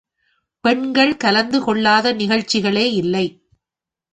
பெண்கள் கலந்து கொள்ளாத நிகழ்ச்சிகளே இல்லை.